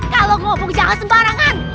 kalau ngomong jangan sembarangan